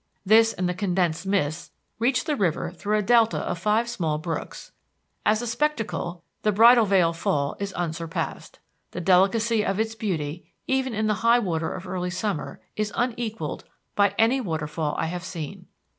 This and the condensed mists reach the river through a delta of five small brooks. As a spectacle the Bridal Veil Fall is unsurpassed. The delicacy of its beauty, even in the high water of early summer, is unequalled by any waterfall I have seen.